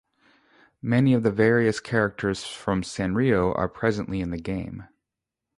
Many of the various characters from Sanrio are present in the game.